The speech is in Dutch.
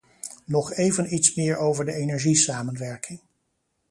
Nog even iets meer over de energiesamenwerking.